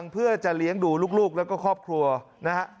เพื่อจะเลี้ยงดูลูกแล้วก็ครอบครัวนะฮะ